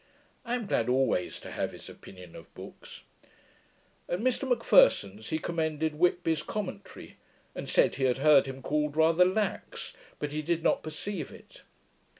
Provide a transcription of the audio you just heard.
I am glad always to have his opinion of books. At Mr M'Pherson's, he commended Whitby's Commentary, and said, he had heard him called rather lax; but he did not perceive it.